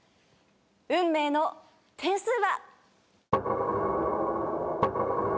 運命の点数は。